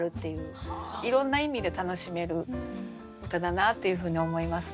いろんな意味で楽しめる歌だなっていうふうに思います。